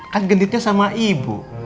kan genitnya sama ibu